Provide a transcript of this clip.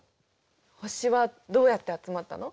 星はどうやって集まったの？